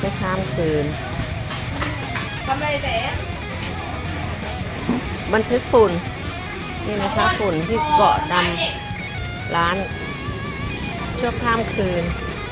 ให้ข้ามคืนบรรทึกฝุ่นนี่นะคะฝุ่นที่เกาะดำร้านช่วงข้ามคืน